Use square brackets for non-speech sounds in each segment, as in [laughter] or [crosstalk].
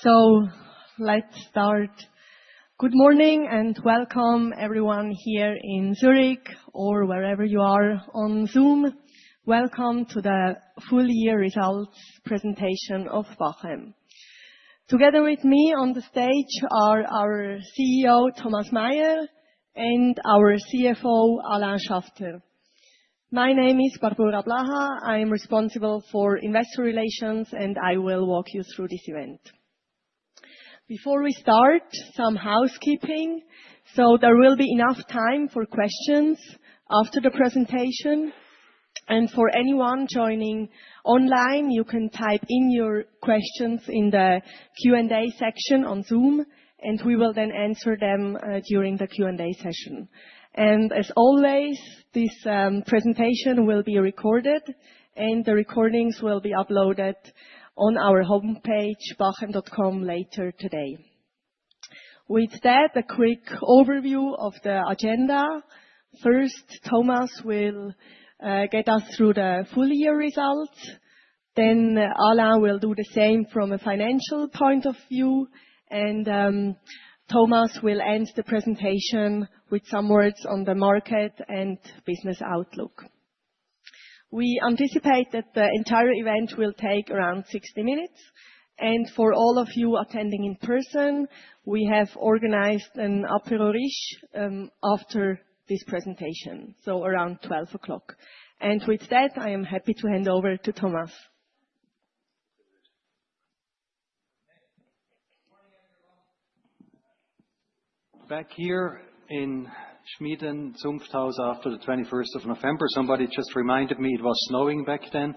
So let's start. Good morning and welcome, everyone here in Zurich or wherever you are on Zoom. Welcome to the full-year results presentation of Bachem. Together with me on the stage are our CEO, Thomas Meier, and our CFO, Alain Schaffter. My name is Barbora Blaha. I am responsible for Investor Relations, and I will walk you through this event. Before we start, some housekeeping. So there will be enough time for questions after the presentation. And for anyone joining online, you can type in your questions in the Q&A section on Zoom, and we will then answer them during the Q&A session. And as always, this presentation will be recorded, and the recordings will be uploaded on our homepage, bachem.com, later today. With that, a quick overview of the agenda. First, Thomas will get us through the full-year results. Then Alain will do the same from a financial point of view. And Thomas will end the presentation with some words on the market and business outlook. We anticipate that the entire event will take around 60 minutes. And for all of you attending in person, we have organized an Apéro Riche after this presentation, so around12 P.M. And with that, I am happy to hand over to Thomas. Back here in Schmiden Zunfthaus after the 21st of November, somebody just reminded me it was snowing back then.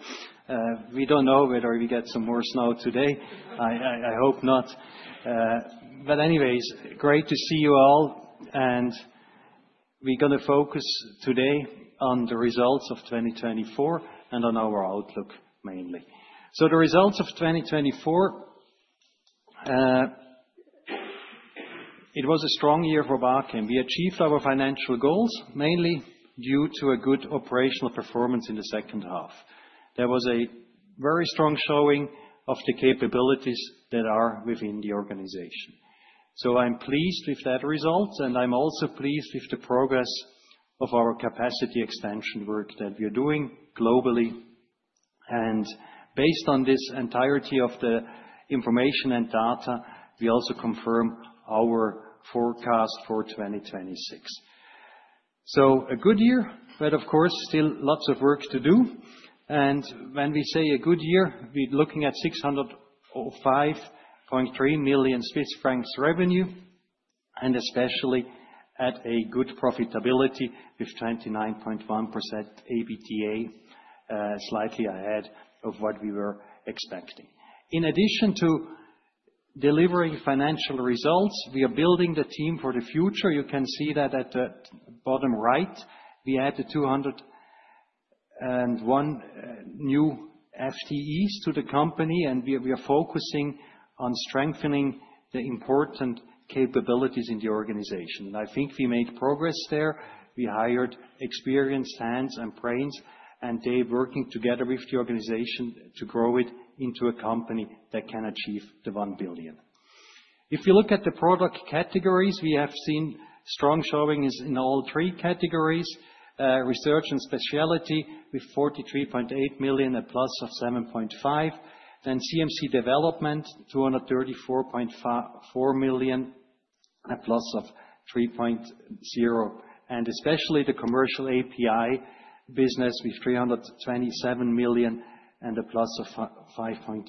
We don't know whether we get some more snow today. I hope not. But anyways, great to see you all. We're going to focus today on the results of 2024 and on our outlook, mainly. The results of 2024, it was a strong year for Bachem. We achieved our financial goals, mainly due to a good operational performance in the second half. There was a very strong showing of the capabilities that are within the organization. I'm pleased with that result, and I'm also pleased with the progress of our capacity extension work that we are doing globally. Based on this entirety of the information and data, we also confirm our forecast for 2026. A good year, but of course, still lots of work to do. When we say a good year, we're looking at 605.3 million Swiss francs revenue, and especially at a good profitability with 29.1% EBITDA, slightly ahead of what we were expecting. In addition to delivering financial results, we are building the team for the future. You can see that at the bottom right, we added 201 new FTEs to the company, and we are focusing on strengthening the important capabilities in the organization. And I think we made progress there. We hired experienced hands and brains, and they are working together with the organization to grow it into a company that can achieve the 1 billion. If you look at the product categories, we have seen strong showings in all three categories: Research & Specialties with 43.8 million, a plus of 7.5%. Then CMC Development, 234.4 million, a plus of 3.0%. Especially the Commercial API business with 327 million and a plus of 5.8%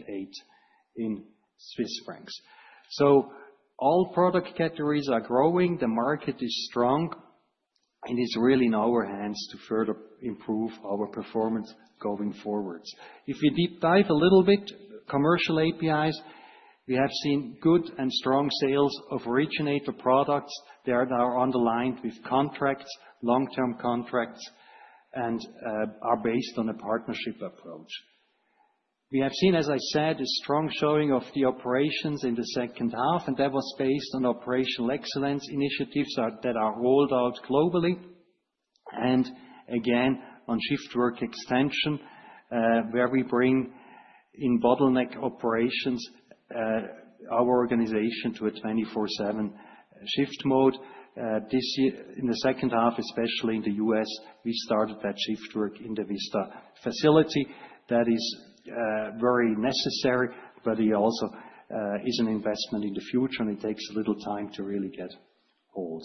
in Swiss francs. All product categories are growing. The market is strong, and it's really in our hands to further improve our performance going forward. If we deep dive a little bit, Commercial APIs, we have seen good and strong sales of originator products. They are now underlined with contracts, long-term contracts, and are based on a partnership approach. We have seen, as I said, a strong showing of the operations in the second half, and that was based on operational excellence initiatives that are rolled out globally. Again, on shift work extension, where we bring in bottleneck operations our organization to a 24/7 shift mode. In the second half, especially in the U.S., we started that shift work in the Vista facility. That is very necessary, but it also is an investment in the future, and it takes a little time to really get hold.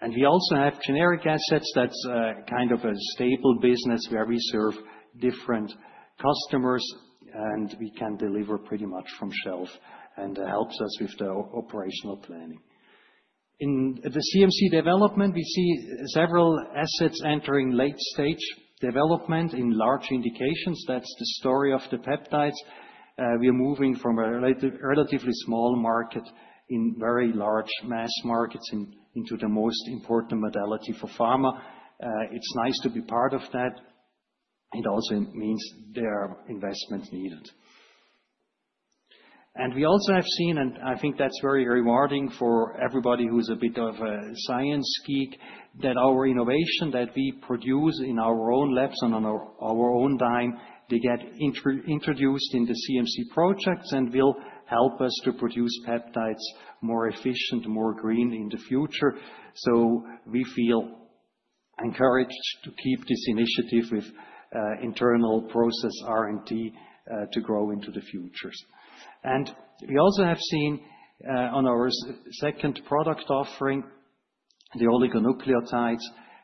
And we also have generic assets. That's kind of a stable business where we serve different customers, and we can deliver pretty much off the shelf, and it helps us with the operational planning. In the CMC development, we see several assets entering late-stage development in large indications. That's the story of the peptides. We are moving from a relatively small market into very large mass markets into the most important modality for pharma. It's nice to be part of that. It also means there are investments needed. We also have seen, and I think that's very rewarding for everybody who's a bit of a science geek, that our innovation that we produce in our own labs and on our own dime, they get introduced in the CMC projects and will help us to produce peptides more efficient, more green in the future. We feel encouraged to keep this initiative with internal process R&D to grow into the futures. We also have seen on our second product offering, the oligonucleotides,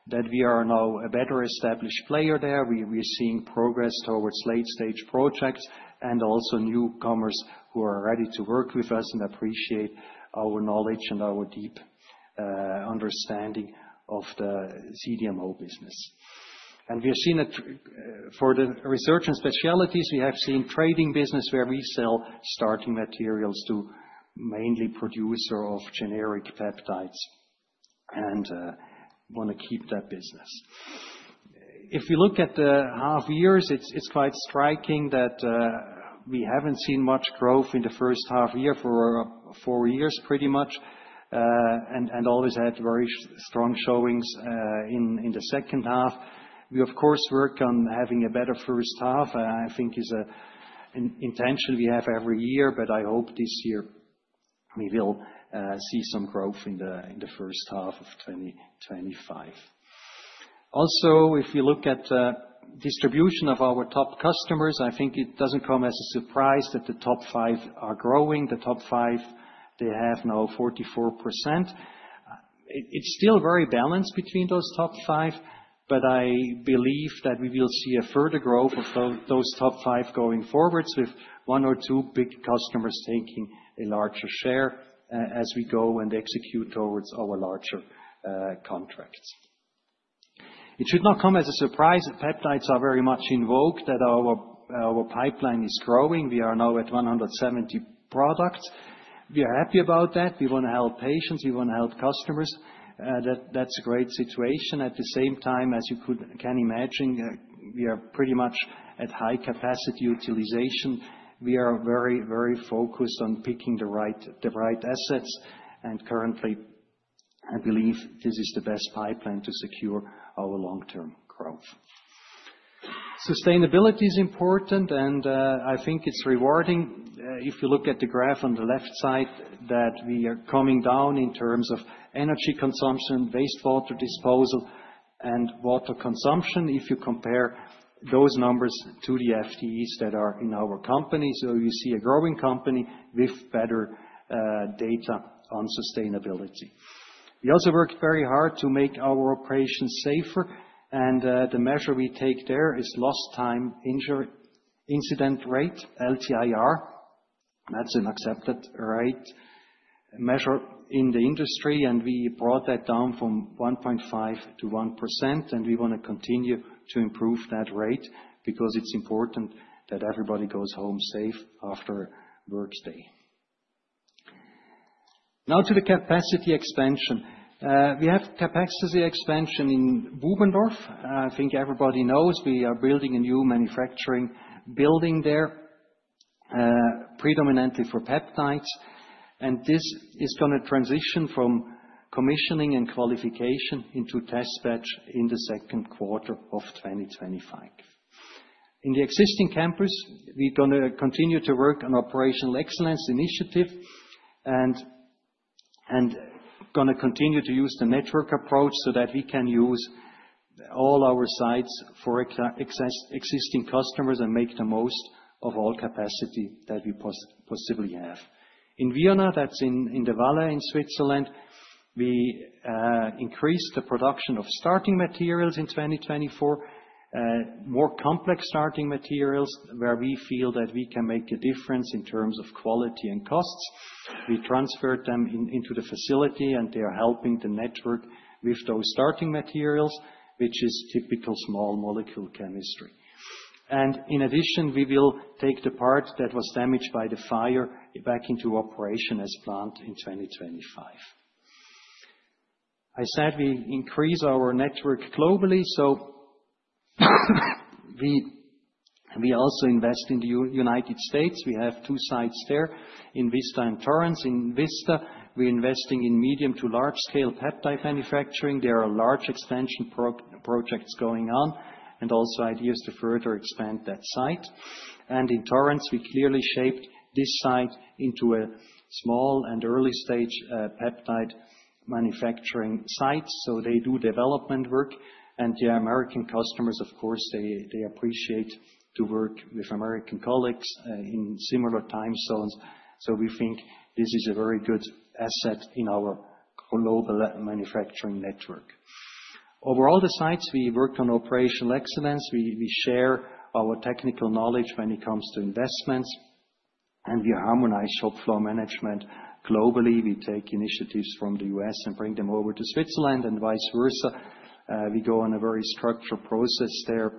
that we are now a better established player there. We are seeing progress towards late-stage projects and also newcomers who are ready to work with us and appreciate our knowledge and our deep understanding of the CDMO business. And we have seen for the research and specialties, we have seen trading business where we sell starting materials to mainly producers of generic peptides and want to keep that business. If we look at the half years, it's quite striking that we haven't seen much growth in the first half year for four years, pretty much, and always had very strong showings in the second half. We, of course, work on having a better first half. I think is an intention we have every year, but I hope this year we will see some growth in the first half of 2025. Also, if we look at the distribution of our top customers, I think it doesn't come as a surprise that the top five are growing. The top five, they have now 44%. It's still very balanced between those top five, but I believe that we will see a further growth of those top five going forward with one or two big customers taking a larger share as we go and execute towards our larger contracts. It should not come as a surprise that peptides are very much in vogue, that our pipeline is growing. We are now at 170 products. We are happy about that. We want to help patients. We want to help customers. That's a great situation. At the same time, as you can imagine, we are pretty much at high capacity utilization. We are very, very focused on picking the right assets, and currently, I believe this is the best pipeline to secure our long-term growth. Sustainability is important, and I think it's rewarding. If you look at the graph on the left side, that we are coming down in terms of energy consumption, wastewater disposal, and water consumption. If you compare those numbers to the FTEs that are in our company, so you see a growing company with better data on sustainability. We also worked very hard to make our operations safer. And the measure we take there is lost time incident rate, LTIR. That's an accepted rate measure in the industry, and we brought that down from 1.5 to 1%. And we want to continue to improve that rate because it's important that everybody goes home safe after workday. Now to the capacity expansion. We have capacity expansion in Bubendorf. I think everybody knows we are building a new manufacturing building there, predominantly for peptides. This is going to transition from commissioning and qualification into test batch in the Q2 of 2025. In the existing campus, we're going to continue to work on operational excellence initiative and going to continue to use the network approach so that we can use all our sites for existing customers and make the most of all capacity that we possibly have. In Vionnaz, that's in the Valais in Switzerland, we increased the production of starting materials in 2024, more complex starting materials where we feel that we can make a difference in terms of quality and costs. We transferred them into the facility, and they are helping the network with those starting materials, which is typical small molecule chemistry. And in addition, we will take the part that was damaged by the fire back into operation as planned in 2025. I said we increase our network globally, so we also invest in the United States. We have two sites there in Vista and Torrance. In Vista, we are investing in medium to large-scale peptide manufacturing. There are large extension projects going on and also ideas to further expand that site. And in Torrance, we clearly shaped this site into a small and early-stage peptide manufacturing site. So they do development work. And the American customers, of course, they appreciate to work with American colleagues in similar time zones. So we think this is a very good asset in our global manufacturing network. Overall the sites, we worked on operational excellence. We share our technical knowledge when it comes to investments, and we harmonize shop floor management globally. We take initiatives from the U.S. and bring them over to Switzerland and vice versa. We go on a very structured process there,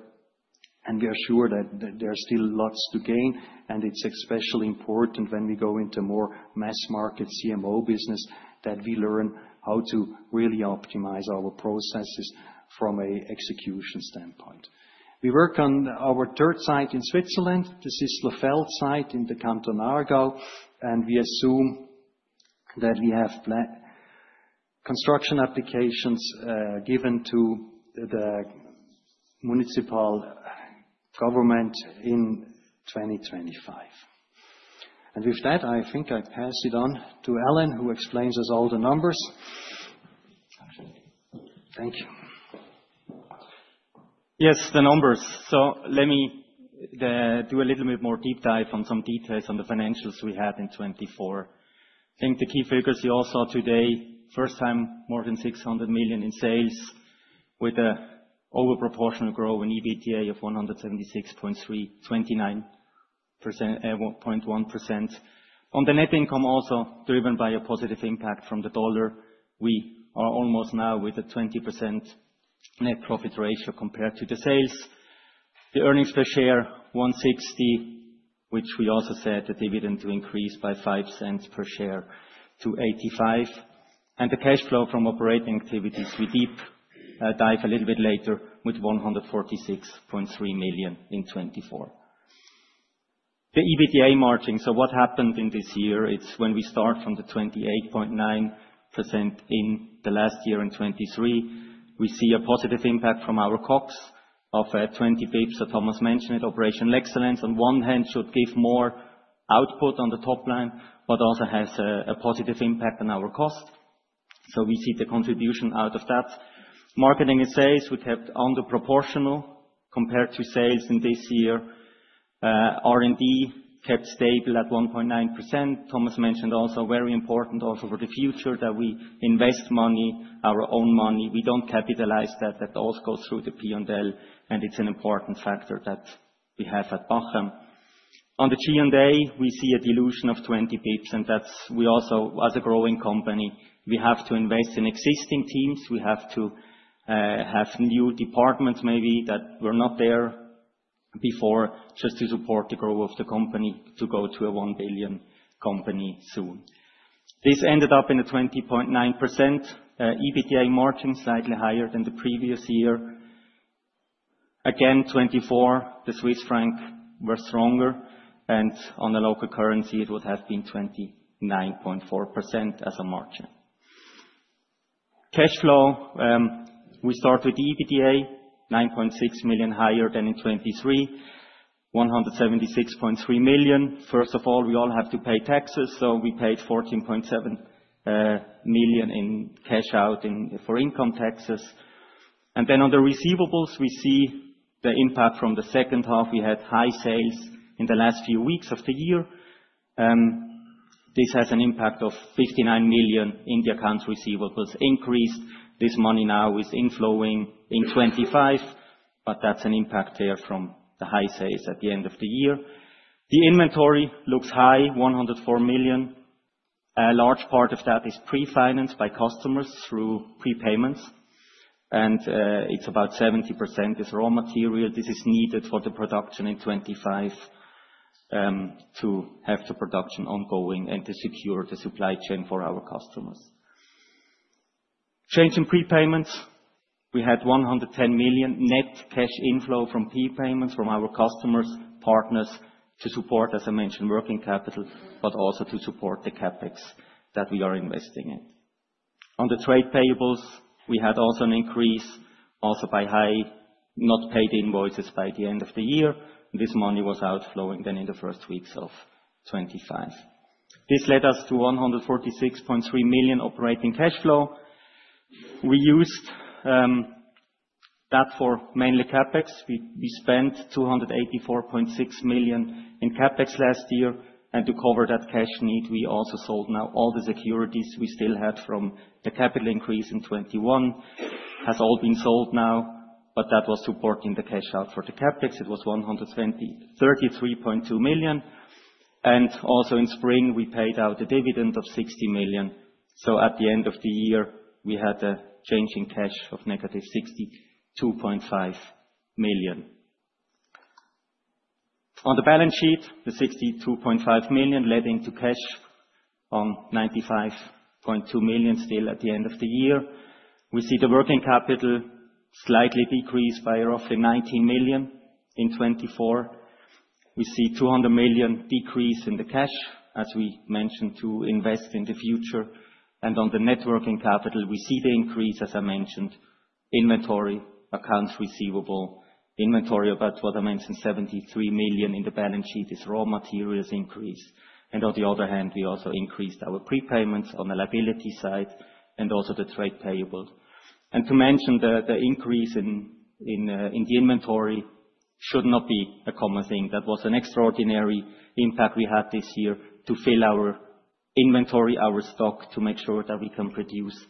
and we are sure that there are still lots to gain, and it's especially important when we go into more mass market CMO business that we learn how to really optimize our processes from an execution standpoint. We work on our third site in Switzerland. This is the Sisslerfeld site in the Canton of Aargau. And we assume that we have construction applications given to the municipal government in 2025, and with that, I think I pass it on to Alain, who explains us all the numbers. Thank you. Yes, the numbers, so let me do a little bit more deep dive on some details on the financials we had in 2024. I think the key figures you all saw today, first time, more than 600 million in sales with an overproportional growth in EBITDA of 176.3, 29.1%. On the net income, also driven by a positive impact from the dollar, we are almost now with a 20% net profit ratio compared to the sales. The earnings per share 1.60, which we also said the dividend to increase by 0.05 per share to 0.85. And the cash flow from operating activities, we deep dive a little bit later with 146.3 million in 2024. The EBITDA margin, so what happened in this year, it is when we start from the 28.9% in the last year in 2023, we see a positive impact from our COGS of 20 basis points. So Thomas mentioned it, operational excellence on one hand should give more output on the top line, but also has a positive impact on our cost. So we see the contribution out of that. Marketing and sales, we kept underproportional compared to sales in this year. R&D kept stable at 1.9%. Thomas mentioned also very important also for the future that we invest money, our own money. We don't capitalize that. That also goes through the P&L, and it's an important factor that we have at Bachem. On the G&A, we see a dilution of 20 basis points, and that's we also, as a growing company, we have to invest in existing teams. We have to have new departments maybe that were not there before just to support the growth of the company to go to a one billion company soon. This ended up in a 20.9% EBITDA margin, slightly higher than the previous year. Again, 2024, the Swiss franc were stronger, and on the local currency, it would have been 29.4% as a margin. Cash flow, we start with EBITDA, 9.6 million higher than in 2023, 176.3 million. First of all, we all have to pay taxes, so we paid 14.7 million in cash out for income taxes. And then on the receivables, we see the impact from the second half. We had high sales in the last few weeks of the year. This has an impact of 59 million in the accounts receivables increased. This money now is inflowing in 2025, but that's an impact here from the high sales at the end of the year. The inventory looks high, 104 million. A large part of that is pre-financed by customers through prepayments, and it's about 70% is raw material. This is needed for the production in 2025 to have the production ongoing and to secure the supply chain for our customers. Change in prepayments, we had 110 million net cash inflow from prepayments from our customers, partners to support, as I mentioned, working capital, but also to support the CapEx that we are investing in. On the trade payables, we had also an increase by high not paid invoices by the end of the year. This money was outflowing then in the first weeks of 2025. This led us to 146.3 million operating cash flow. We used that for mainly CapEx. We spent 284.6 million in CapEx last year, and to cover that cash need, we also sold now all the securities we still had from the capital increase in 2021. Has all been sold now, but that was supporting the cash out for the CapEx. It was 133.2 million, and also in spring, we paid out a dividend of 60 million. So at the end of the year, we had a change in cash of negative 62.5 million. On the balance sheet, the 62.5 million led into cash of 95.2 million still at the end of the year. We see the working capital slightly decreased by roughly 19 million in 2024. We see 200 million decrease in the cash, as we mentioned, to invest in the future. And on the net working capital, we see the increase, as I mentioned, inventory, accounts receivable, inventory, about what I mentioned, 73 million in the balance sheet is raw materials increase. And on the other hand, we also increased our prepayments on the liability side and also the trade payable. And to mention the increase in the inventory should not be a common thing. That was an extraordinary impact we had this year to fill our inventory, our stock, to make sure that we can produce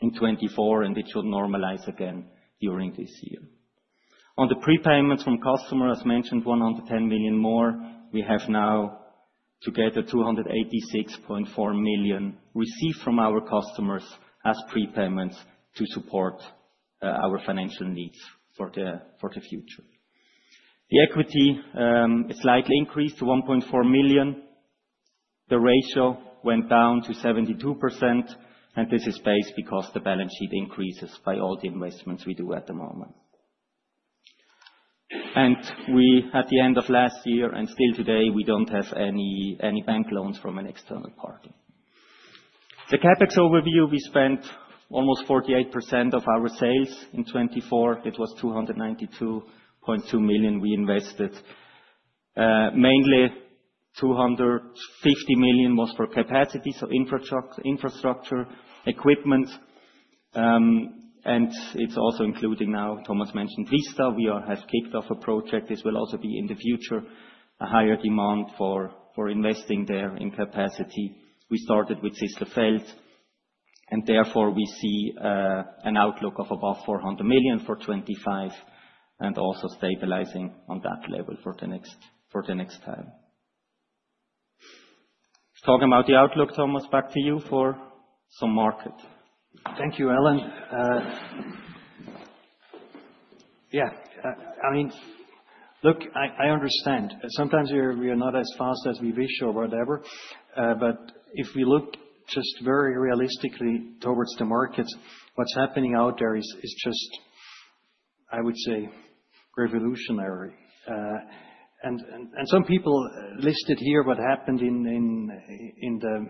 in 2024, and it should normalize again during this year. On the prepayments from customers, as mentioned, 110 million more. We have now together 286.4 million received from our customers as prepayments to support our financial needs for the future. The equity is slightly increased to 1.4 million. The ratio went down to 72%, and this is based because the balance sheet increases by all the investments we do at the moment, and we at the end of last year and still today, we don't have any bank loans from an external party. The CapEx overview, we spent almost 48% of our sales in 2024. It was 292.2 million we invested. Mainly 250 million was for capacity, so infrastructure, equipment, and it's also including now, Thomas mentioned, Vista. We have kicked off a project. This will also be in the future a higher demand for investing there in capacity. We started with Sisslerfeld, and therefore we see an outlook of above 400 million for 2025 and also stabilizing on that level for the next time. Talking about the outlook, Thomas, back to you for some market. Thank you, Alain. Yeah, I mean, look, I understand. Sometimes we are not as fast as we wish or whatever, but if we look just very realistically towards the markets, what's happening out there is just, I would say, revolutionary. And some people listed here what happened in the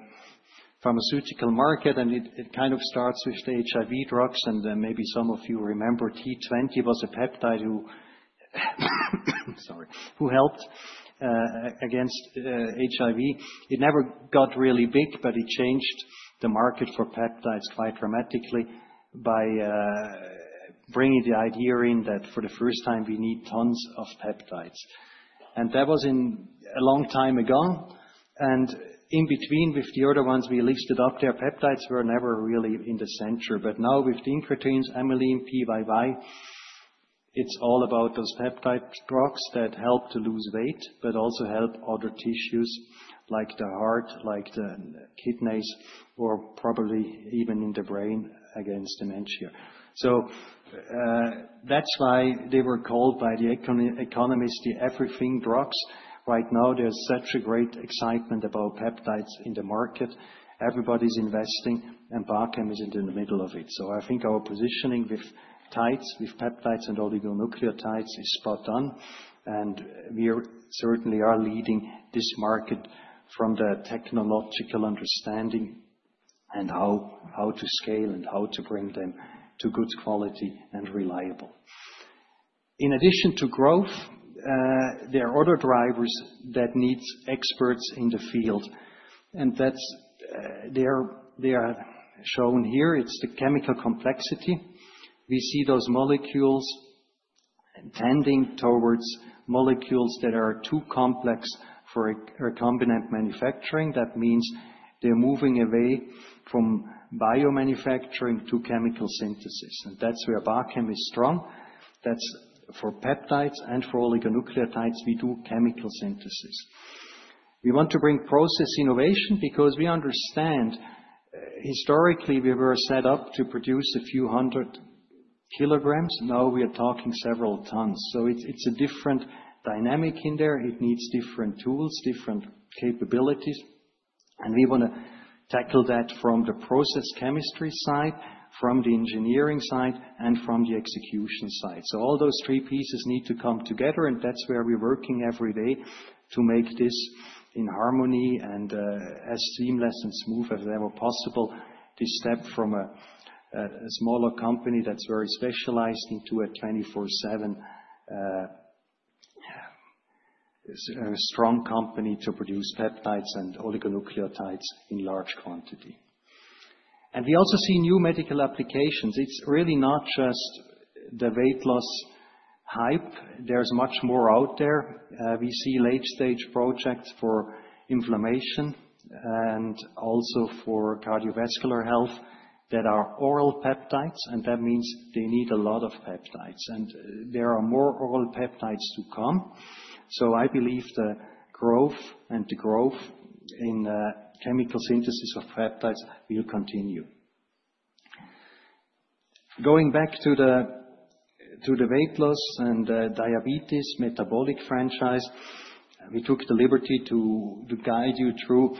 pharmaceutical market, and it kind of starts with the HIV drugs. And maybe some of you remember T20 was a peptide who helped against HIV. It never got really big, but it changed the market for peptides quite dramatically by bringing the idea in that for the first time we need tons of peptides. And that was a long time ago. And in between with the other ones we listed up there, peptides were never really in the center. But now with the incretins, amylin, PYY, it's all about those peptide drugs that help to lose weight, but also help other tissues like the heart, like the kidneys, or probably even in the brain against dementia. So that's why they were called by the economists the everything drugs. Right now, there's such a great excitement about peptides in the market. Everybody's investing, and Bachem is in the middle of it. So I think our positioning with tides, with peptides and oligonucleotides is spot on. And we certainly are leading this market from the technological understanding and how to scale and how to bring them to good quality and reliable. In addition to growth, there are other drivers that need experts in the field. And that's what is shown here. It's the chemical complexity. We see those molecules tending towards molecules that are too complex for recombinant manufacturing. That means they're moving away from biomanufacturing to chemical synthesis. And that's where Bachem is strong. That's for peptides and for oligonucleotides. We do chemical synthesis. We want to bring process innovation because we understand, historically, we were set up to produce a few hundred kilograms. Now we are talking several tons. So it's a different dynamic in there. It needs different tools, different capabilities. And we want to tackle that from the process chemistry side, from the engineering side, and from the execution side. So all those three pieces need to come together, and that's where we're working every day to make this in harmony and as seamless and smooth as ever possible. This step from a smaller company that's very specialized into a 24/7 strong company to produce peptides and oligonucleotides in large quantity. And we also see new medical applications. It's really not just the weight loss hype. There's much more out there. We see late-stage projects for inflammation and also for cardiovascular health that are oral peptides, and that means they need a lot of peptides. And there are more oral peptides to come. So I believe the growth and the growth in chemical synthesis of peptides will continue. Going back to the weight loss and diabetes metabolic franchise, we took the liberty to guide you through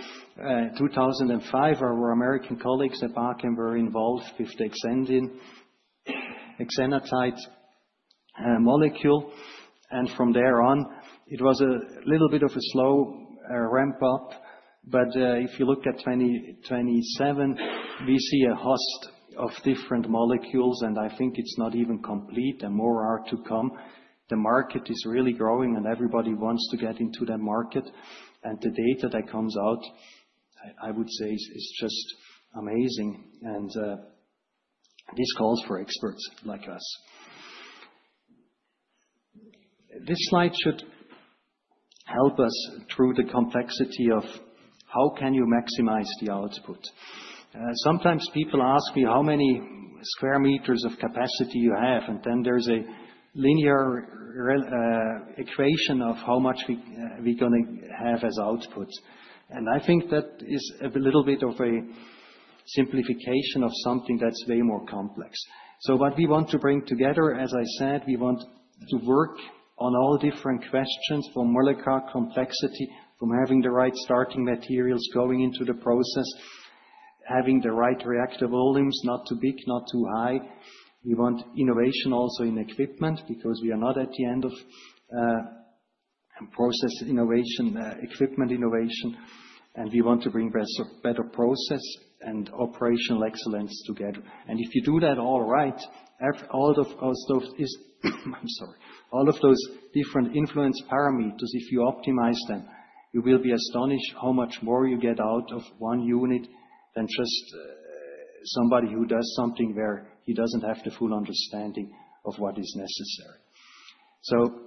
2005. Our American colleagues at Bachem were involved with the exendin exenatide molecule. From there on, it was a little bit of a slow ramp up, but if you look at 2027, we see a host of different molecules, and I think it's not even complete. There are more to come. The market is really growing, and everybody wants to get into that market. And the data that comes out, I would say, is just amazing. And this calls for experts like us. This slide should help us through the complexity of how can you maximize the output. Sometimes people ask me how many square meters of capacity you have, and then there's a linear equation of how much we're going to have as output. And I think that is a little bit of a simplification of something that's way more complex. So what we want to bring together, as I said, we want to work on all different questions from molecular complexity, from having the right starting materials going into the process, having the right reaction volumes, not too big, not too high. We want innovation also in equipment because we are not at the end of process innovation, equipment innovation, and we want to bring better process and operational excellence together. And if you do that all right, all of those, I'm sorry, all of those different influence parameters, if you optimize them, you will be astonished how much more you get out of one unit than just somebody who does something where he doesn't have the full understanding of what is necessary. So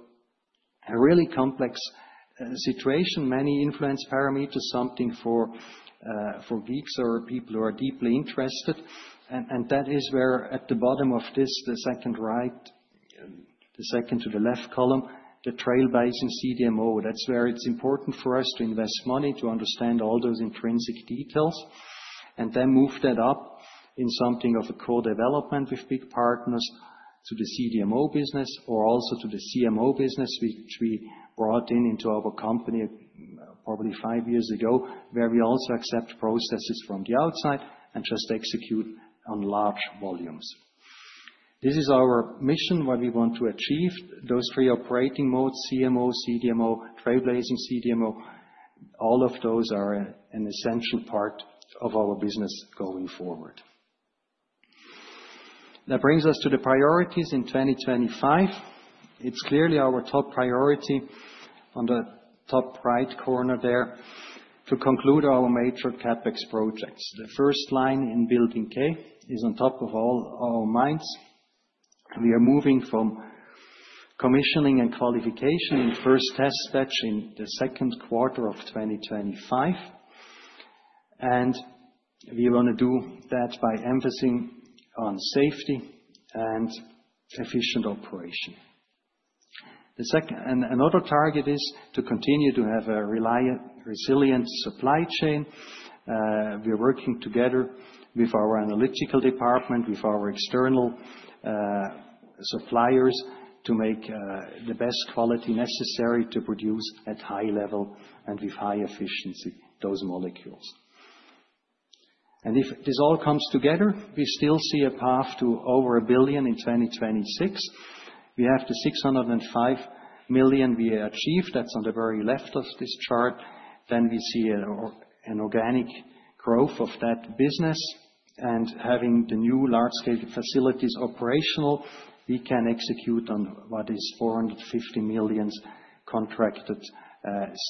a really complex situation, many influence parameters, something for geeks or people who are deeply interested. And that is where at the bottom of this, the second right, the second to the left column, the trial-based CDMO, that's where it's important for us to invest money to understand all those intrinsic details and then move that up in something of a co-development with big partners to the CDMO business or also to the CMO business, which we brought in into our company probably five years ago, where we also accept processes from the outside and just execute on large volumes. This is our mission, what we want to achieve. Those three operating modes, CMO, CDMO, trial-based CDMO, all of those are an essential part of our business going forward. That brings us to the priorities in 2025. It's clearly our top priority on the top right corner there to conclude our major CapEx projects. The first line in Building K is on top of all our minds. We are moving from commissioning and qualification in first test batch in the Q2 of 2025, and we want to do that by emphasizing on safety and efficient operation. Another target is to continue to have a resilient supply chain. We are working together with our analytical department, with our external suppliers to make the best quality necessary to produce at high level and with high efficiency those molecules. And if this all comes together, we still see a path to over 1 billion in 2026. We have the 605 million we achieved. That's on the very left of this chart. Then we see an organic growth of that business, and having the new large-scale facilities operational, we can execute on what is 450 million contracted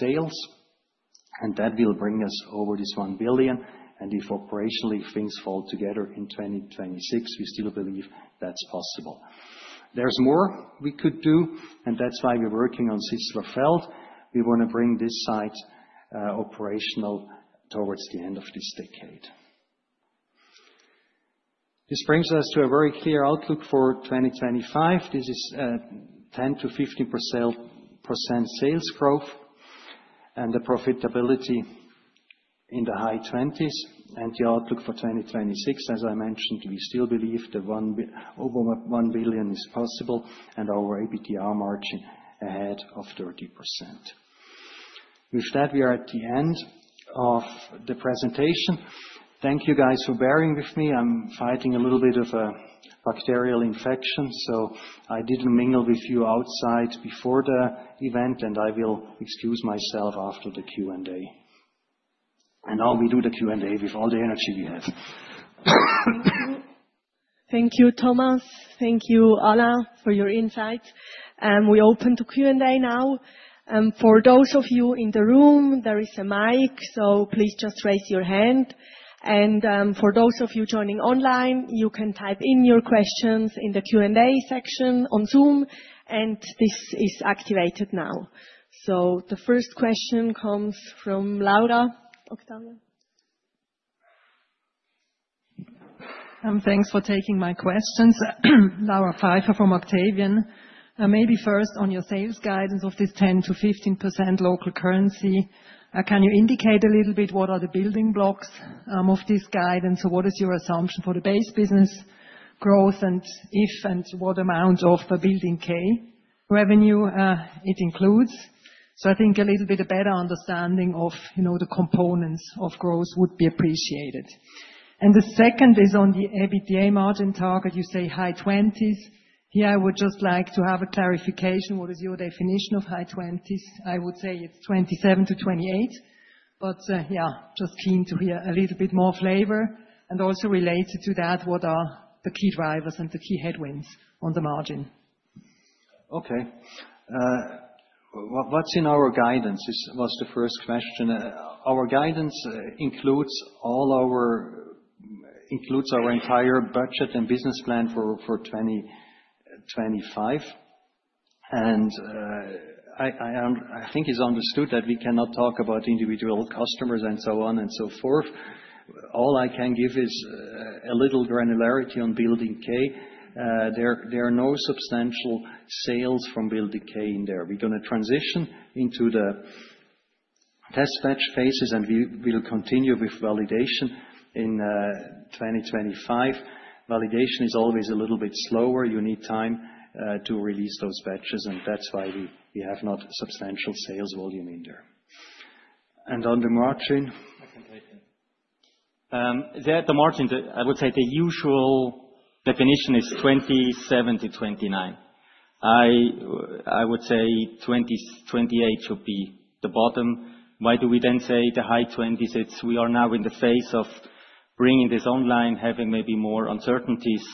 sales. And that will bring us over this 1 billion. If operationally things fall together in 2026, we still believe that's possible. There's more we could do, and that's why we're working on Sisslerfeld. We want to bring this site operational towards the end of this decade. This brings us to a very clear outlook for 2025. This is 10%-15% sales growth and the profitability in the high 20s. And the outlook for 2026, as I mentioned, we still believe the 1 billion is possible and our EBITDA margin ahead of 30%. With that, we are at the end of the presentation. Thank you guys for bearing with me. I'm fighting a little bit of a bacterial infection, so I didn't mingle with you outside before the event, and I will excuse myself after the Q&A. And now we do the Q&A with all the energy we have. Thank you, Thomas. Thank you, Alain, for your insights. And we open to Q&A now. For those of you in the room, there is a mic, so please just raise your hand. And for those of you joining online, you can type in your questions in the Q&A section on Zoom, and this is activated now. So the first question comes from Laura from Octavian. Thanks for taking my questions. Laura Pfeiffer from Octavian. Maybe first on your sales guidance of this 10%-15% local currency, can you indicate a little bit what are the building blocks of this guidance? So what is your assumption for the base business growth and if and what amount of the Building K revenue it includes? So I think a little bit of better understanding of the components of growth would be appreciated. And the second is on the EBITDA margin target, you say high 20s. Here, I would just like to have a clarification. What is your definition of high 20s? I would say it's 27 to 28, but yeah, just keen to hear a little bit more flavor. And also related to that, what are the key drivers and the key headwinds on the margin? Okay. What's in our guidance was the first question. Our guidance includes our entire budget and business plan for 2025. And I think it's understood that we cannot talk about individual customers and so on and so forth. All I can give is a little granularity on Building K. There are no substantial sales from Building K in there. We're going to transition into the test batch phases, and we will continue with validation in 2025. Validation is always a little bit slower. You need time to release those batches, and that's why we have not substantial sales volume in there, and on the margin, I can take it. The margin, I would say the usual definition is 27-29. I would say 28 should be the bottom. Why do we then say the high 20s? It's we are now in the phase of bringing this online, having maybe more uncertainties.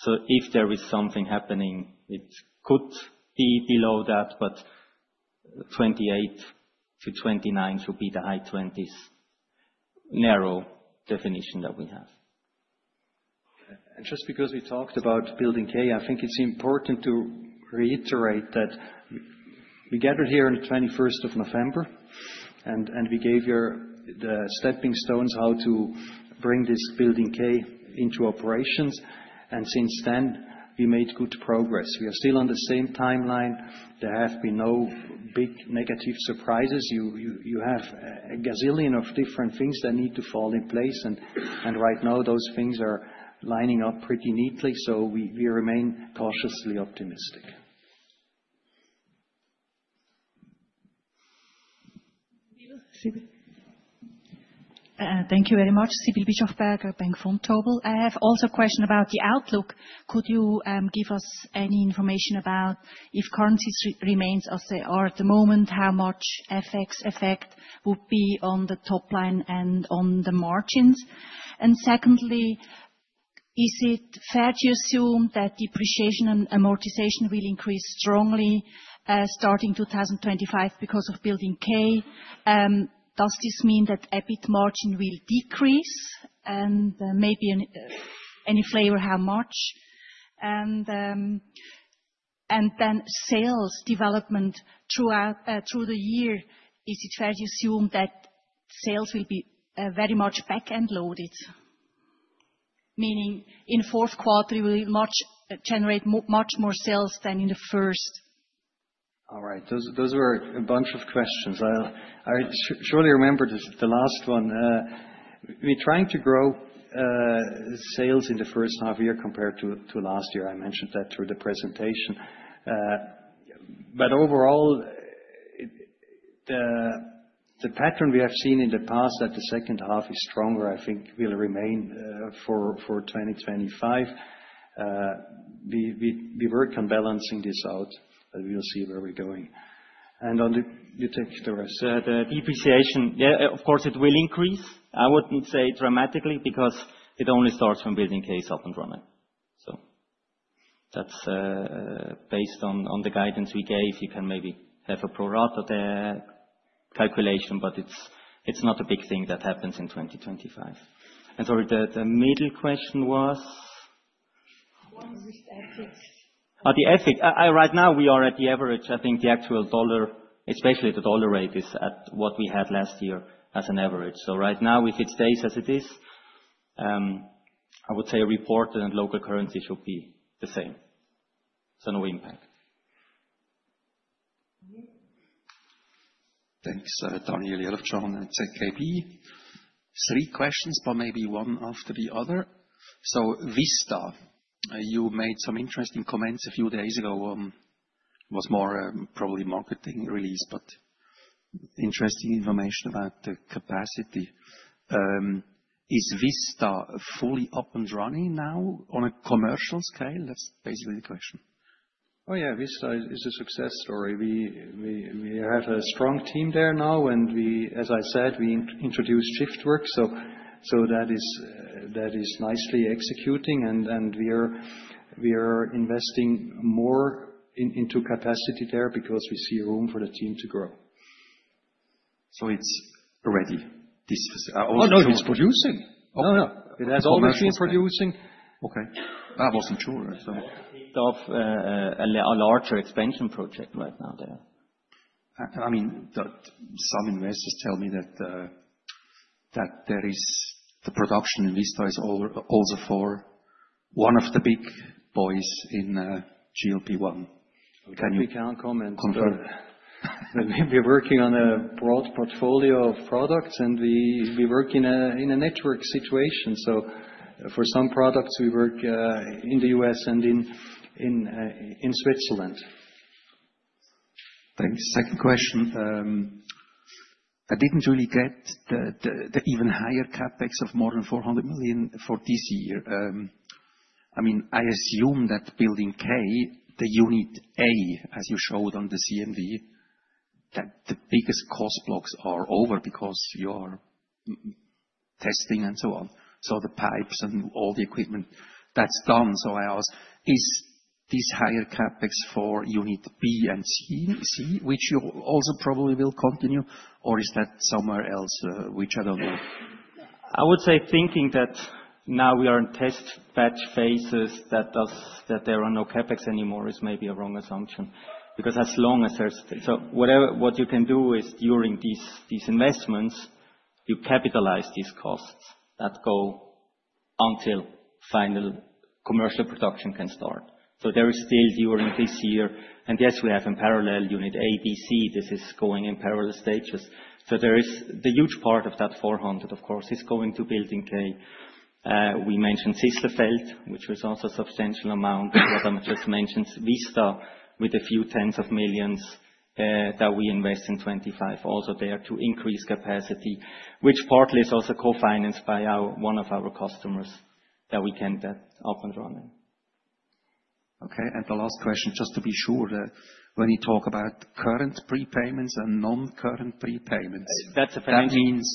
So if there is something happening, it could be below that, but 28-29 should be the high 20s, narrow definition that we have. And just because we talked about Building K, I think it's important to reiterate that we gathered here on the 21st of November, and we gave you the stepping stones how to bring this Building K into operations, and since then, we made good progress. We are still on the same timeline. There have been no big negative surprises. You have a gazillion of different things that need to fall in place, and right now, those things are lining up pretty neatly, so we remain cautiously optimistic. Thank you very much, Sibylle Bischofberger from Vontobel. I have also a question about the outlook. Could you give us any information about if currency remains as they are at the moment, how much FX effect would be on the top line and on the margins? And secondly, is it fair to assume that depreciation and amortization will increase strongly starting 2025 because of Building K? Does this mean that EBIT margin will decrease? And maybe any flavor, how much? And then sales development throughout the year, is it fair to assume that sales will be very much back-end loaded, meaning in the Q4, we will generate much more sales than in the first? All right. Those were a bunch of questions. I surely remembered the last one. We're trying to grow sales in the first half year compared to last year. I mentioned that through the presentation. But overall, the pattern we have seen in the past that the second half is stronger, I think will remain for 2025. We work on balancing this out, but we will see where we're going. And on the depreciation, yeah, of course, it will increase. I wouldn't say dramatically because it only starts when Building K is up and running. So that's based on the guidance we gave. You can maybe have a pro rata calculation, but it's not a big thing that happens in 2025. And sorry, the middle question was? Right now, we are at the average. I think the actual dollar, especially the dollar rate, is at what we had last year as an average. So right now, if it stays as it is, I would say a report and local currency should be the same. So no impact. Thanks, Daniel Jelovcan with ZKB. Three questions, but maybe one after the other. So Vista, you made some interesting comments a few days ago. It was more probably marketing release, but interesting information about the capacity. Is Vista fully up and running now on a commercial scale? That's basically the question. Oh yeah, Vista is a success story. We have a strong team there now, and as I said, we introduced shift work. So that is nicely executing, and we are investing more into capacity there because we see room for the team to grow. So it's ready? Oh, no, it's producing. [crosstalk] it has already been producing. Okay. I wasn't sure so. Of a larger expansion project right now there. Some investors tell me that the production in Vista is also for one of the big boys in GLP-1. We can't comment. We're working on a broad portfolio of products, and we work in a network situation. So for some products, we work in the U.S. and in Switzerland. Thanks. Second question. I didn't really get the even higher CapEx of more than 400 million for this year. I mean, I assume that Building K, the unit A, as you showed on the CMC, that the biggest cost blocks are over because you are testing and so on. So the pipes and all the equipment, that's done. So I ask, is this higher CapEx for unit B and C, which you also probably will continue, or is that somewhere else which I don't know? I would say, thinking that now we are in test batch phases, that there are no CapEx anymore is maybe a wrong assumption. Because as long as there's so what you can do is during these investments, you capitalize these costs that go until final commercial production can start. So there is still during this year. And yes, we have in parallel Unit A, B, C. This is going in parallel stages. So the huge part of that 400, of course, is going to Building K. We mentioned Sisslerfeld, which was also a substantial amount, what I just mentioned, Vista with a few tens of millions that we invest in 2025 also there to increase capacity, which partly is also co-financed by one of our customers that we can up and running. Okay. And the last question, just to be sure, when you talk about current prepayments and non-current prepayments. That means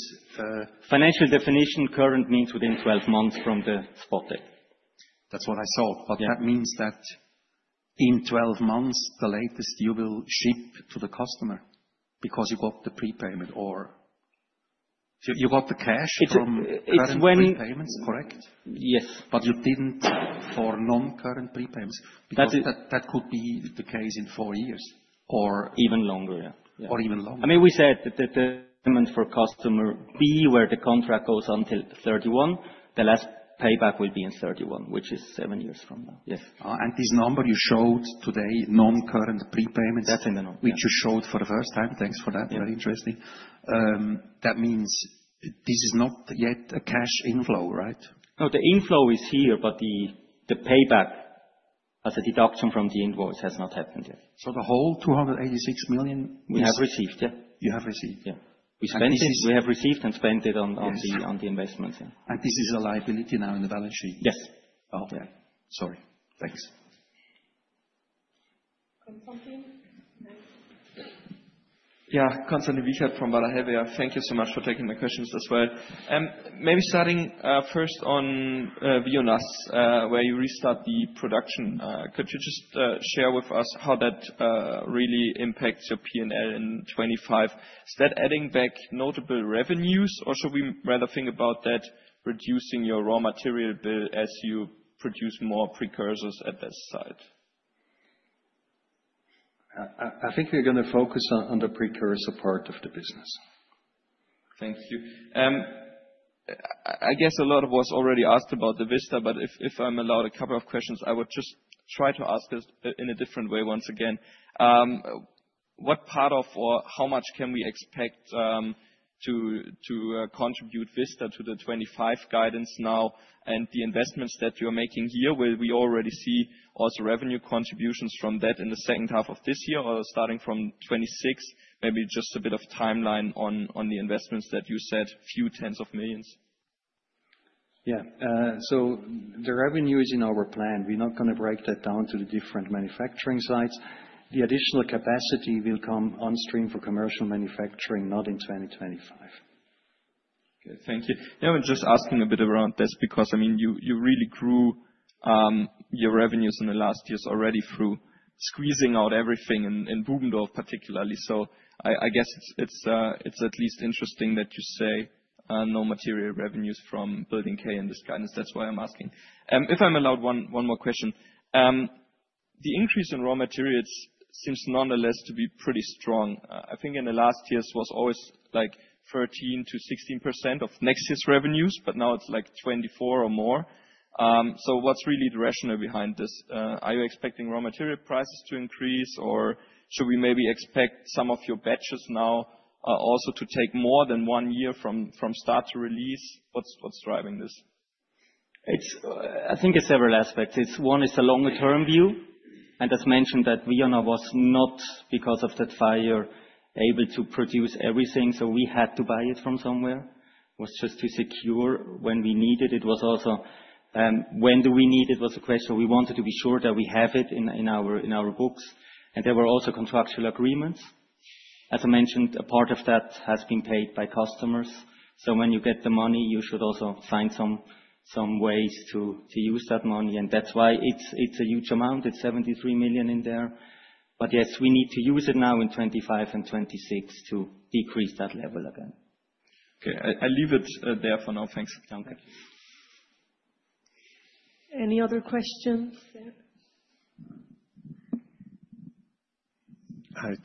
financial definition, current means within 12 months from the spot date. That's what I saw. But that means that in 12 months, the latest you will ship to the customer because you got the prepayment or you got the cash from that prepayment, correct? Yes. But you didn't for non-current prepayments because that could be the case in four years? Or even longer, yeah. Or even longer. I mean, we said that the payment for customer B, where the contract goes until 2031, the last payback will be in 2031, which is seven years from now. Yes. And this number you showed today, non-current prepayments, which you showed for the first time, thanks for that. Very interesting. That means this is not yet a cash inflow, right? No, the inflow is here, but the payback as a deduction from the invoice has not happened yet. So the whole 286 million we have received, yeah. You have received? Yeah. We have received and spent it on the investments. And this is a liability now in the balance sheet? Yes. Okay. Sorry. Thanks. Yeah, Konstantin Wiechert from Baader Helvea. Thank you so much for taking my questions as well. Maybe starting first on Vionnaz, where you restart the production, could you just share with us how that really impacts your P&L in 2025? Is that adding back notable revenues, or should we rather think about that reducing your raw material bill as you produce more precursors at this site? I think we're going to focus on the precursor part of the business. Thank you. I guess a lot of what's already asked about the Vista, but if I'm allowed a couple of questions, I would just try to ask it in a different way once again. What part of or how much can we expect to contribute Vista to the 2025 guidance now and the investments that you're making here? Will we already see also revenue contributions from that in the second half of this year or starting from 2026? Maybe just a bit of timeline on the investments that you said, few tens of millions. Yeah. So the revenue is in our plan. We're not going to break that down to the different manufacturing sites. The additional capacity will come on stream for commercial manufacturing, not in 2025. Okay. Thank you. I'm just asking a bit around this because, I mean, you really grew your revenues in the last years already through squeezing out everything in Bubendorf, particularly. So I guess it's at least interesting that you say no material revenues from Building K in this guidance. That's why I'm asking. If I'm allowed one more question, the increase in raw materials seems nonetheless to be pretty strong. I think in the last years, it was always like 13% to 16% of net sales revenues, but now it's like 24% or more. So what's really the rationale behind this? Are you expecting raw material prices to increase, or should we maybe expect some of your batches now also to take more than one year from start to release? What's driving this? I think it's several aspects. One is the longer-term view. And as mentioned, that Vionnaz was not, because of that fire, able to produce everything. So we had to buy it from somewhere. It was just to secure when we needed it. It was also when do we need it was a question. We wanted to be sure that we have it in our books. And there were also contractual agreements. As I mentioned, a part of that has been paid by customers. So when you get the money, you should also find some ways to use that money. And that's why it's a huge amount. It's 73 million in there. But yes, we need to use it now in 2025 and 2026 to decrease that level again. Okay. I'll leave it there for now. Thanks. Any other questions?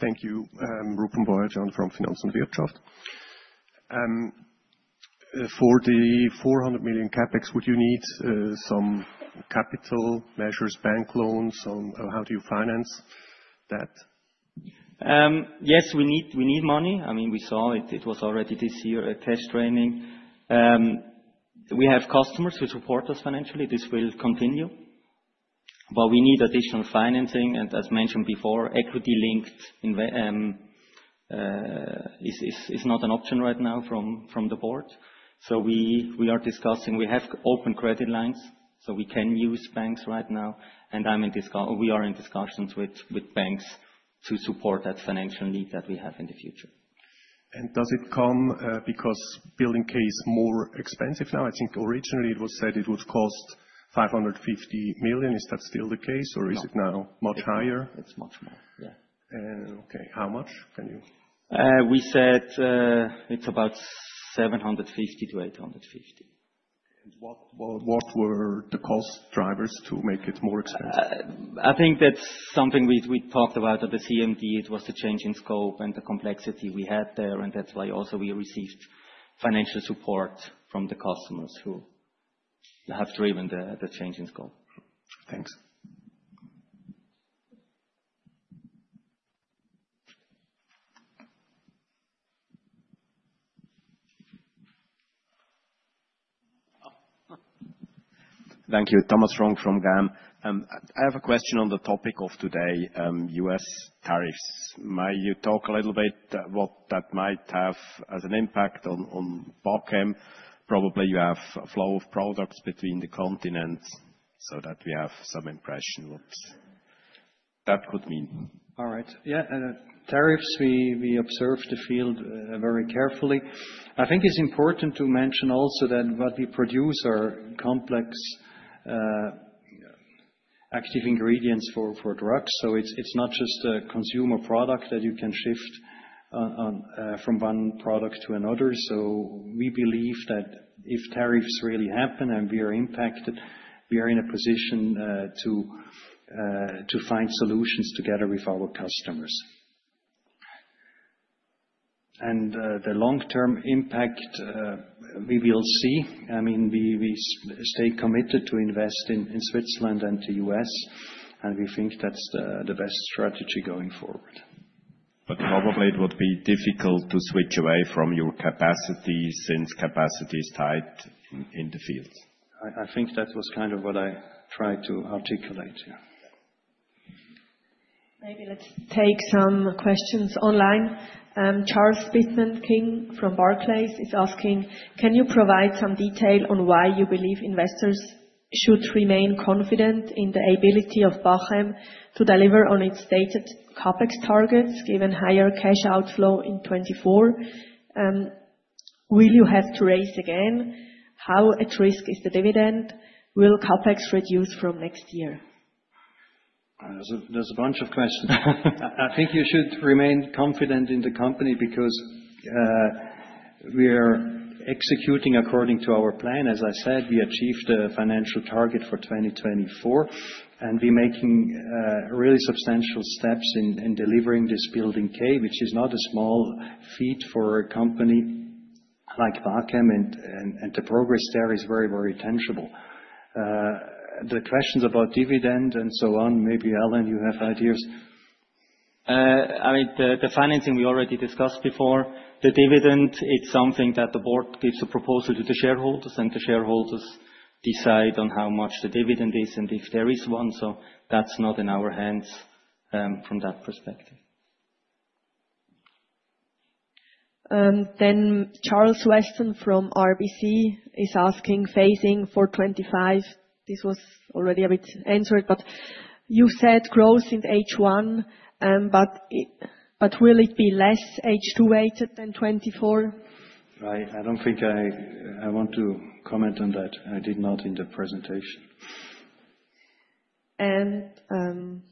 Thank you. Rupen Boyadjian from Finanz und Wirtschaft. For the 400 million CapEx, would you need some capital measures, bank loans? How do you finance that? Yes, we need money. I mean, we saw it. It was already this year at test training. We have customers who support us financially. This will continue. But we need additional financing. And as mentioned before, equity-linked is not an option right now from the board. So we are discussing. We have open credit lines, so we can use banks right now. And we are in discussions with banks to support that financial need that we have in the future. And does it come because Building K is more expensive now? I think originally it was said it would cost 550 million. Is that still the case, or is it now much higher? No. It's much more. Yeah. Okay. How much can you? We said it's about 750 million to 850 million. And what were the cost drivers to make it more expensive? I think that's something we talked about at the CMD. It was the change in scope and the complexity we had there. And that's why also we received financial support from the customers who have driven the change in scope. Thanks. Thank you. Thomas Rong from GAM. I have a question on the topic of today, U.S. tariffs. May you talk a little bit about what that might have as an impact on Bachem? Probably you have a flow of products between the continents, so that we have some impression of what that could mean. All right. Yeah. Tariffs, we observe the field very carefully. I think it's important to mention also that what we produce are complex active ingredients for drugs, so it's not just a consumer product that you can shift from one product to another. So we believe that if tariffs really happen and we are impacted, we are in a position to find solutions together with our customers, and the long-term impact, we will see. I mean, we stay committed to invest in Switzerland and the U.S., and we think that's the best strategy going forward. But probably it would be difficult to switch away from your capacity since capacity is tight in the fields. I think that was kind of what I tried to articulate. Let's take some questions online. Charles Pitman-King from Barclays is asking, can you provide some detail on why you believe investors should remain confident in the ability of Bachem to deliver on its stated CapEx targets given higher cash outflow in 2024? Will you have to raise again? How at risk is the dividend? Will CapEx reduce from next year? There's a bunch of questions. I think you should remain confident in the company because we are executing according to our plan. As I said, we achieved the financial target for 2024, and we're making really substantial steps in delivering this Building K, which is not a small feat for a company like Bachem, and the progress there is very, very tangible. The questions about dividend and so on, maybe Alain, you have ideas. I mean, the financing we already discussed before. The dividend, it's something that the board gives a proposal to the shareholders, and the shareholders decide on how much the dividend is and if there is one. So that's not in our hands from that perspective. Charles Weston from RBC is asking, phasing for 2025. This was already a bit answered, but you said growth in H1, but will it be less H2-weighted than 2024? I don't think I want to comment on that. I did not in the presentation. And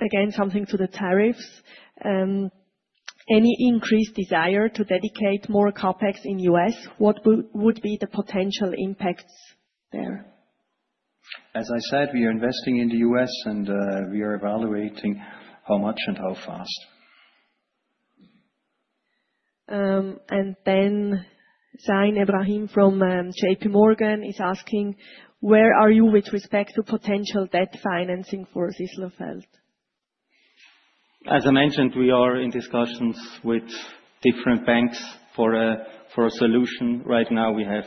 again, something to the tariffs. Any increased desire to dedicate more CapEx in U.S.? What would be the potential impacts there? As I said, we are investing in the U.S., and we are evaluating how much and how fast. Zain Ebrahim from JPMorgan is asking, where are you with respect to potential debt financing for Sisslerfeld? As I mentioned, we are in discussions with different banks for a solution. Right now, we have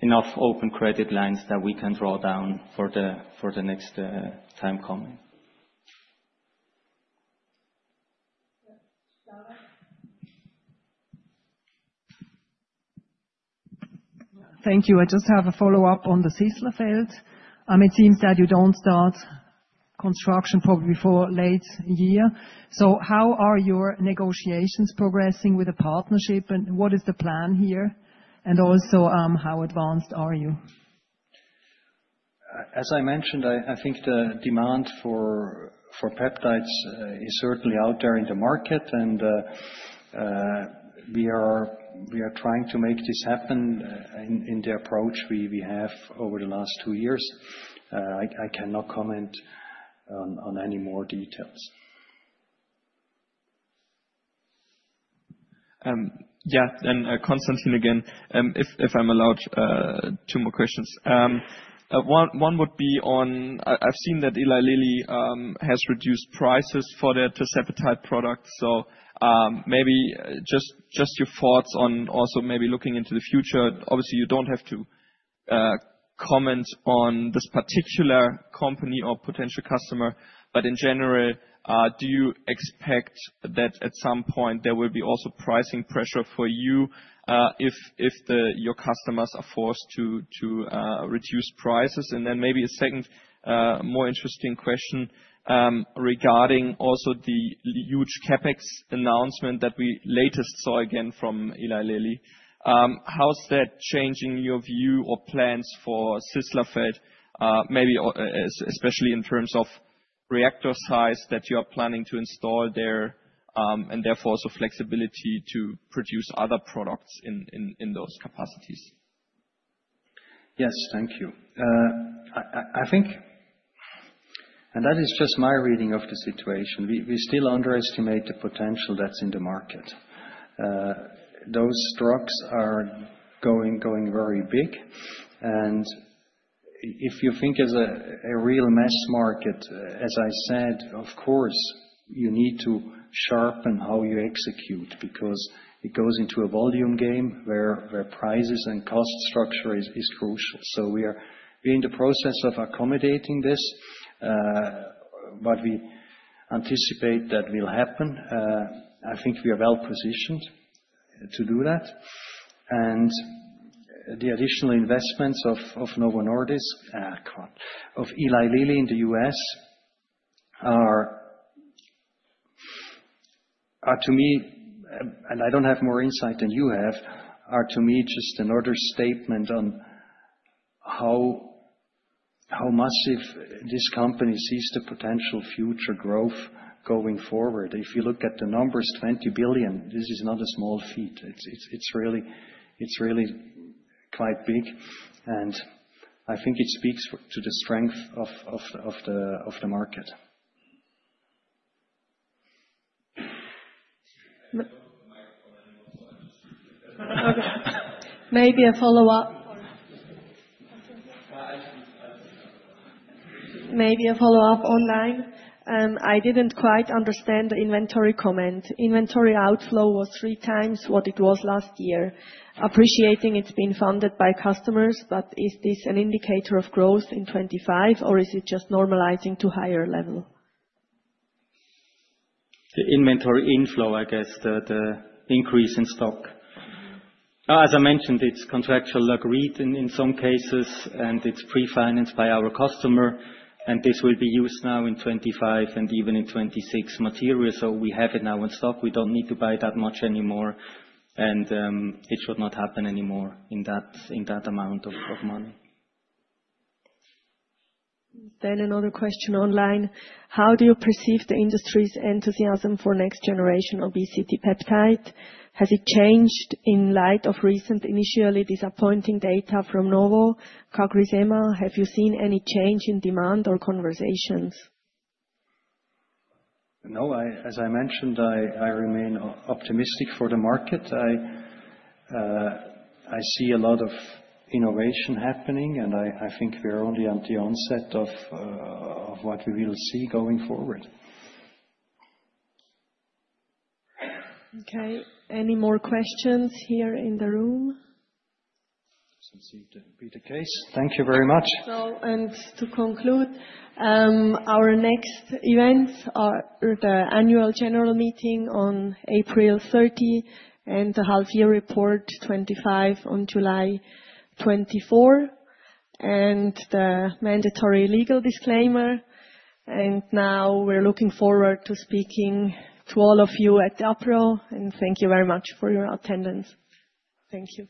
enough open credit lines that we can draw down for the next time coming. Thank you. I just have a follow-up on the Sisslerfeld. It seems that you don't start construction probably before late year. So how are your negotiations progressing with the partnership, and what is the plan here, and also how advanced are you? As I mentioned, I think the demand for peptides is certainly out there in the market, and we are trying to make this happen in the approach we have over the last two years. I cannot comment on any more details. Yeah. And Konstantin again, if I'm allowed two more questions. One would be on I've seen that Eli Lilly has reduced prices for their Tirzepatide products. So maybe just your thoughts on also maybe looking into the future. Obviously, you don't have to comment on this particular company or potential customer, but in general, do you expect that at some point there will be also pricing pressure for you if your customers are forced to reduce prices? And then maybe a second more interesting question regarding also the huge CapEx announcement that we lately saw again from Eli Lilly. How's that changing your view or plans for Sisslerfeld, maybe especially in terms of reactor size that you are planning to install there and therefore also flexibility to produce other products in those capacities? Yes, thank you. I think, and that is just my reading of the situation, we still underestimate the potential that's in the market. Those stocks are going very big. If you think as a real mass market, as I said, of course, you need to sharpen how you execute because it goes into a volume game where prices and cost structure is crucial. So we are in the process of accommodating this, but we anticipate that will happen. I think we are well positioned to do that. And the additional investments of Novo Nordisk, of Eli Lilly in the U.S., are to me, and I don't have more insight than you have, are to me just another statement on how massive this company sees the potential future growth going forward. If you look at the numbers, 20 billion, this is not a small feat. It's really quite big. And I think it speaks to the strength of the market. Maybe a follow-up. Maybe a follow-up online. I didn't quite understand the inventory comment. Inventory outflow was three times what it was last year. Appreciating it's been funded by customers, but is this an indicator of growth in 2025, or is it just normalizing to higher level? The inventory inflow, I guess, the increase in stock. As I mentioned, it's contractually agreed in some cases, and it's pre-financed by our customer. And this will be used now in 2025 and even in 2026 material. So we have it now in stock. We don't need to buy that much anymore. And it should not happen anymore in that amount of money. Then another question online. How do you perceive the industry's enthusiasm for next-generation obesity peptide? Has it changed in light of recent initially disappointing data from Novo CagriSema? Have you seen any change in demand or conversations? No, as I mentioned, I remain optimistic for the market. I see a lot of innovation happening, and I think we are only at the onset of what we will see going forward. Okay. Any more questions here in the room? Doesn't seem to be the case. Thank you very much. And to conclude, our next events are the Annual General Meeting on April 30 and the Half-Year Report 2025 on July 24 and the mandatory legal disclaimer. And now we're looking forward to speaking to all of you at the Apéro. And thank you very much for your attendance. Thank you.